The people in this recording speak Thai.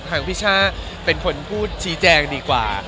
ทางพี่ช่าเป็นคนพูดชี้แจงดีกว่า